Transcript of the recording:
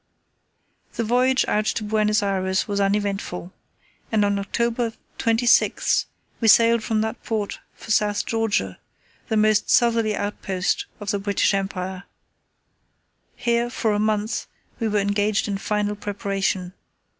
The voyage out to Buenos Ayres was uneventful, and on October 26 we sailed from that port for South Georgia, the most southerly outpost of the British Empire. Here, for a month, we were engaged in final preparation.